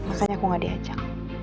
makanya aku gak diajak